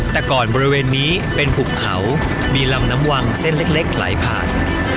แต่ก่อนบริเวณนี้เป็นภูเขามีลำน้ำวังเส้นเล็กไหลผ่าน